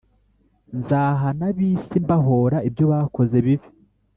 Nzahana ab isi mbahora ibyo bakoze bibi